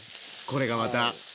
これがまた。